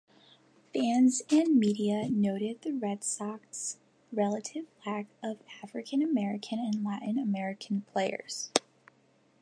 Fans and media noted the Red Sox' relative lack of African-American and Latin-American players.